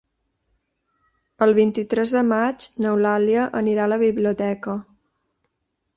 El vint-i-tres de maig n'Eulàlia anirà a la biblioteca.